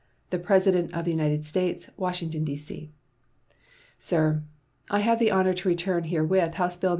The PRESIDENT OF THE UNITED STATES, Washington, D.C. SIR: I have the honor to return herewith House bill No.